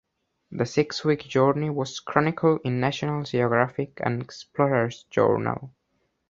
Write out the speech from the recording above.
The six-week journey was chronicled in "National Geographic" and "Explorers Journal".